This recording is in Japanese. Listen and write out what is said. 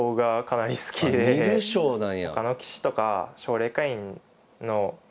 観る将なんや。